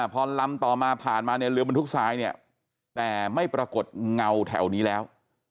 พอลำต่อมาผ่านมาเนี่ยเรือบรรทุกทรายเนี่ยแต่ไม่ปรากฏเงาแถวนี้แล้ว